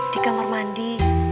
di kamar mandi